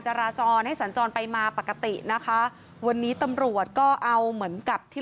จราจรให้สัญจรไปมาปกตินะคะวันนี้ตำรวจก็เอาเหมือนกับที่